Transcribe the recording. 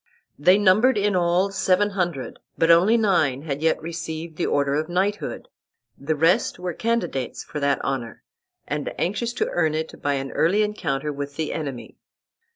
They numbered in all seven hundred, but only nine had yet received the order of knighthood; the rest were candidates for that honor, and anxious to earn it by an early encounter with the enemy.